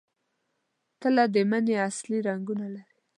تله د مني اصلي رنګونه لري.